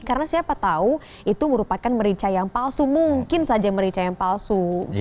karena siapa tahu itu merupakan merica yang palsu mungkin saja merica yang palsu gitu